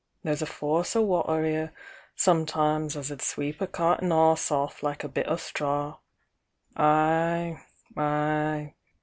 There's a force o' water 'ere sometimes as 'ud sweep a cart an' 'ess off like a bit o' straw! Ay, ay!